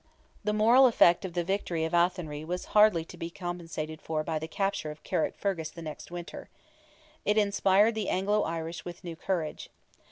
The moral effect of the victory of Athenry was hardly to be compensated for by the capture of Carrickfergus the next winter. It inspired the Anglo Irish with new courage.